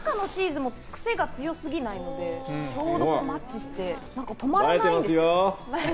中のチーズもくせが強すぎないのでちょうどマッチして止まらないんですよ。